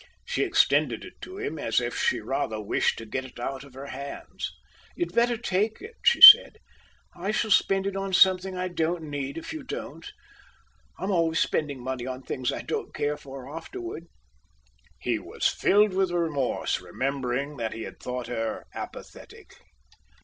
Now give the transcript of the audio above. She extended it to him as if she rather wished to get it out of her hands. "You'd better take it," she said. "I shall spend it on something I don't need, if you don't. I'm always spending money on things I don't care for afterward." He was filled with remorse, remembering that he had thought her apathetic.